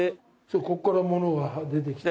ここから物が出てきて。